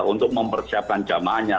untuk mempersiapkan jamaahnya